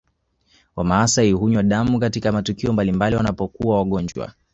Wamaasai hunywa damu katika matukio mbalimbali wanapokuwa wagonjwa